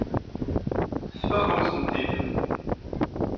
Tesfaqemt-tent-id.